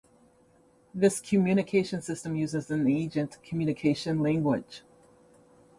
This communication system uses an agent communication language.